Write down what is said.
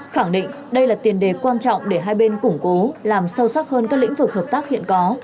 khẳng định đây là tiền đề quan trọng để hai bên củng cố làm sâu sắc hơn các lĩnh vực hợp tác hiện có